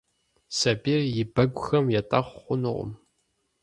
Сабийр а бэгухэм етӏэхъу хъунукъым.